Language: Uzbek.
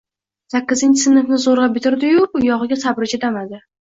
Sakkizinchi sinfni zoʼrgʼa bitirdi-yu, u yogʼiga sabri chidamadi.